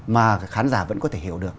mà khán giả vẫn có thể hiểu được